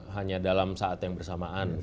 hanya dalam saat yang bersamaan